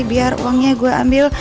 biar uangnya gue ambil